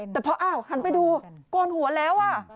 แต่พออ้าวหันไปดูโกนหัวแล้ว